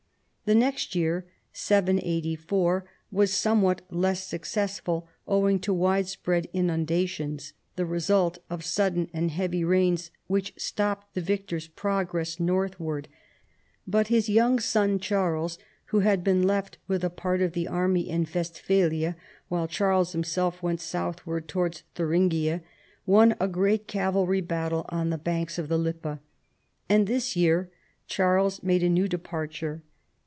The next year (784) was somewhat less successful, owing to widespread inundations, the result of sudden and heavy rains, which stopped the victor's progress northward ; but his young son Charles, who had been left with a part of the army in West phalia while Charles himself went southward to wards Thuringia, won a great cavalry battle on tlie banks of the Lippe. And this year Charles made a new departure.